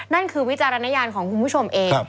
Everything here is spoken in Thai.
นั่นคือวิจารณญาณของคุณผู้ชมเอง